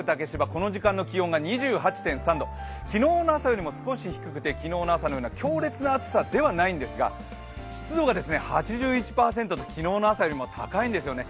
この時間の気温が２８．３度、昨日の朝よりも少し低くて、昨日の朝のような強烈な暑さではないんですが湿度が８１％と昨日の朝よりも高いんですよね。